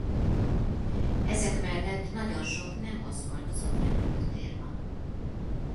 Ezek mellett nagyon sok nem aszfaltozott repülőtér van.